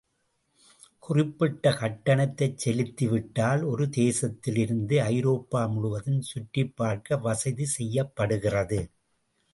குறிப்பிட்ட கட்டணத்தைச் செலுத்திவிட்டால் ஒரு தேசத்தில் இருந்து ஐரோப்பா முழுவதும் சுற்றிப் பார்க்க வசதி செய்யப்படுகிறது.